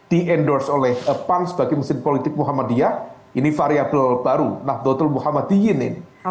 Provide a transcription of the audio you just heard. di endorse oleh pan sebagai mesin politik muhammadiyah ini variable baru nahdlatul muhammadiyin ini